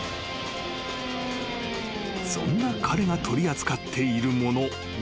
［そんな彼が取り扱っているもの。